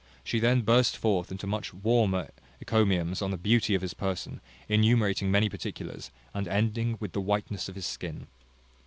She then burst forth into much warmer encomiums on the beauty of his person; enumerating many particulars, and ending with the whiteness of his skin.